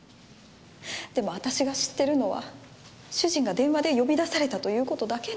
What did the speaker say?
でも私が知ってるのは主人が電話で呼び出されたという事だけなんです。